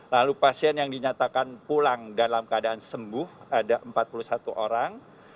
lalu pasien yang dinyatakan pulang dalam keadaan sembuh ada empat puluh satu orang